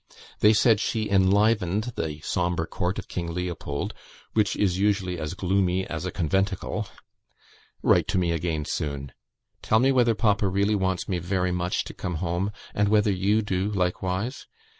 They said she enlivened the sombre court of King Leopold, which is usually as gloomy as a conventicle. Write to me again soon. Tell me whether papa really wants me very much to come home, and whether you do likewise.